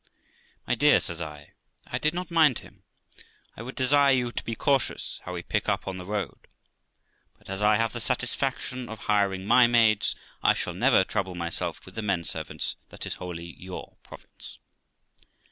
'My dear', says I, 'I did not mind him. I would desire you to be cautious how we pick up on the road; but as I have the satisfaction of hiring my maids, I shall never trouble myself with the men servants, that is wholly your province.